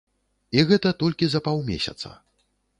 І гэта толькі за паўмесяца.